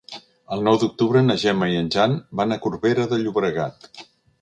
El nou d'octubre na Gemma i en Jan van a Corbera de Llobregat.